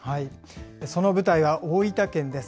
その舞台は大分県です。